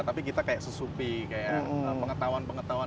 tapi kita kayak susupi kayak pengetahuan pengetahuan